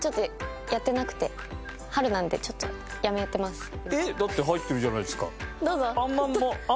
そうだな。えっ？だって入ってるじゃないですか。